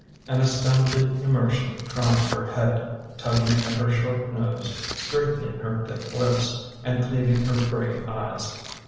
An astounded immersion crowned her head, tugging at her short nose, straightening her thick lips, and cleaving her gray eyes.